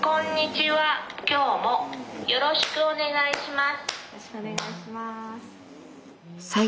よろしくお願いします。